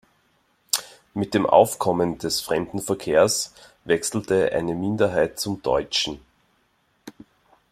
Mit dem Aufkommen des Fremdenverkehrs wechselte eine Minderheit zum Deutschen.